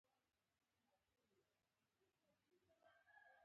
ما باندې عابد ډېر ګران دی